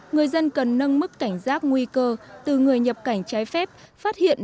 người dân cần nâng mức cảnh giác nguy cơ từ người nhập cảnh trái phép phát hiện